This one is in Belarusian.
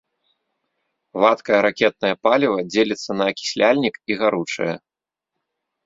Вадкае ракетнае паліва дзеліцца на акісляльнік і гаручае.